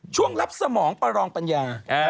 ช่วงรับสมองประรองปัญญา